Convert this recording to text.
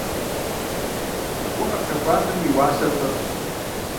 Уэ къэпщэхуакъыми, и уасэр пщӀэркъым.